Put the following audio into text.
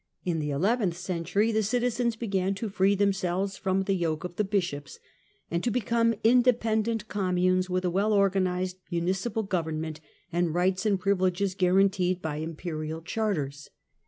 In the eleventh century the citizens began to free themselves from the yoke of the bishops and to become independent " communes " with a well organized municipal government, and rights and privileges guaranteed by Imperial charters.